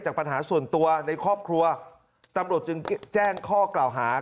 ปัญหาส่วนตัวในครอบครัวตำรวจจึงแจ้งข้อกล่าวหา